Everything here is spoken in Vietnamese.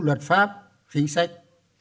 luật pháp chính sách